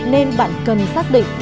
nên bạn cần xác định